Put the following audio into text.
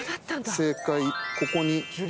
正解ここに。